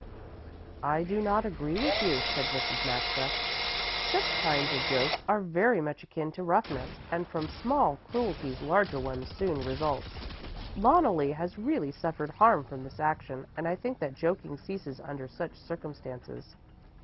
"I do not agree with you," said Mrs. Maxa. "Such kinds of jokes are very much akin to roughness, and from small cruelties larger ones soon result. Loneli has really suffered harm from this action, and I think that joking ceases under such circumstances."